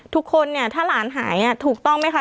ทุกคนเนี่ยถ้าหลานหายถูกต้องไหมคะ